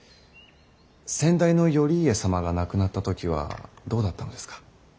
先代の頼家様が亡くなった時はどうだったのですか。